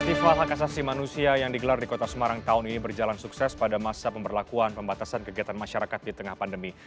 feval hak asasi manusia yang digelar di kota semarang tahun ini berjalan sukses pada masa pemberlakuan pembatasan kegiatan masyarakat di tengah pandemi